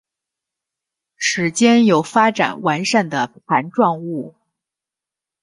趾尖有发展完善的盘状物。